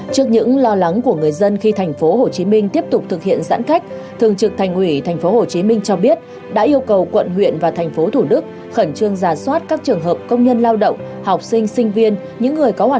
trước những lo lắng của người dân khi thành phố hồ chí minh tiếp tục thực hiện giãn cách thường trực thành ủy thành phố hồ chí minh cho biết đã yêu cầu quận huyện và thành phố thủ đức khẩn trương rà soát các trường hợp công nhân lao động học sinh sinh viên những người có khó khăn